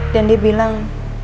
dan dia bilang